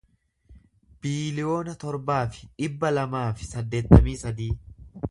biiliyoona torbaa fi dhibba lamaa fi saddeettamii sadii